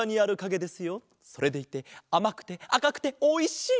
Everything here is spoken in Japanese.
それでいてあまくてあかくておいしい！